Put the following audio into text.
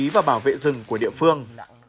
quản lý và bảo vệ rừng của địa phương